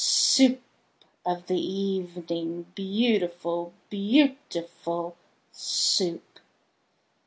Soo oop of the e e evening, Beautiful, beauti FUL SOUP!